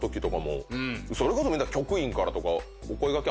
それこそみんな局員からとか。